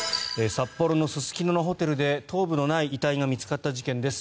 札幌のすすきののホテルで頭部のない遺体が見つかった事件です。